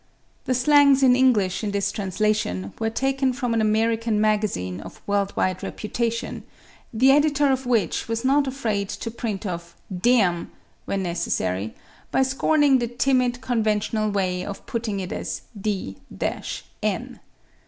The slangs in English in this translation were taken from an American magazine of world wide reputation editor of which was not afraid to print of "damn" when necessary, by scorning the timid, conventional way of putting it as "d—n."